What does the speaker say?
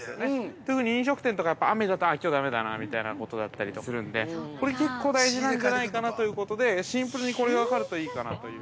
特に、飲食店とかやっぱり、雨だと、きょうだめだなみたいなことだったりするんで、これ結構大事なんじゃないかということで、シンプルにこれが分かるといいかなという。